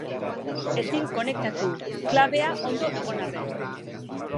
Ezin konektatu, klabea ondo egon arren.